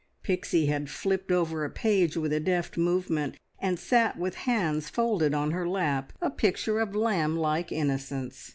Pixie had flipped over a page with a deft movement, and sat with hands folded on her lap, a picture of lamblike innocence.